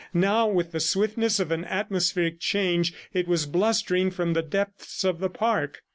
Now, with the swiftness of an atmospheric change, it was blustering from the depths of the park.